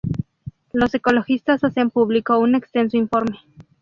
los ecologistas hacen público un extenso informe